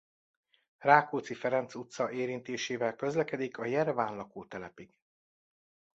Rákóczi Ferenc utca érintésével közlekedik a Jereván lakótelepig.